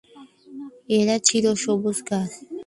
এরা চিরসবুজ গাছ।